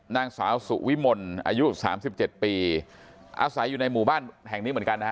นางสาวสุวิมลอายุ๓๗ปีอาศัยอยู่ในหมู่บ้านแห่งนี้เหมือนกันนะ